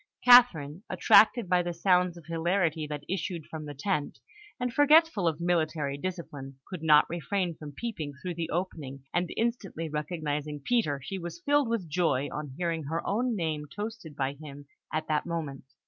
Catherine, attracted by the sounds of hilarity that issued from the tent, and forgetful of military discipline, could not refrain from peeping through the opening; and instantly recognising Peter, she was filled with joy on hearing her own name toasted by him at that moment.